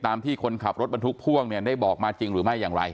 ที่คนขับรถบรรทุกพ่วงเนี่ยได้บอกมาจริงหรือไม่อย่างไร